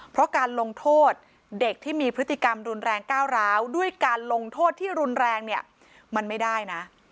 เพราะการลงโทษเด็กที่มีพฤติกรรมรุนแรงก้าวร้าวด้วยการลงโทษที่รุนแรงเนี่ยมันไม่ได้นะ